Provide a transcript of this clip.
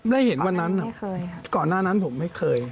ได้เห็นวันนั้นไม่เคยครับก่อนหน้านั้นผมไม่เคย